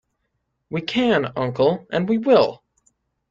We can, uncle, and we will!